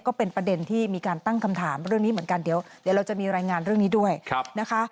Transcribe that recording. ก็เป็นประเด็นที่มีการตั้งคำถามเรื่องนี้เหมือนกันเดี๋ยวเราจะมีรายงานเรื่องนี้ด้วยนะคะ